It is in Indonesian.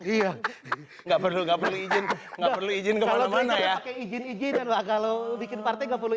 iya nggak perlu nggak perlu izin nggak perlu izin kemana mana ya kalau bikin partai nggak perlu